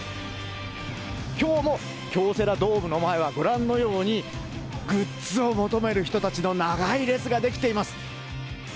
きょうも京セラドームの前は、ご覧のように、グッズを求める人たちの長い列が出来ています。